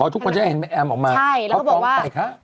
อ๋อทุกคนจะได้เห็นแอมออกมาใช่แล้วบอกว่า